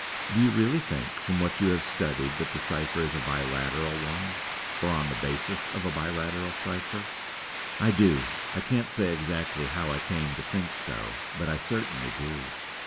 "Do you really think from what you have studied that the cipher is a biliteral one, or on the basis of a biliteral cipher?" "I do! I can't say exactly how I came to think so; but I certainly do."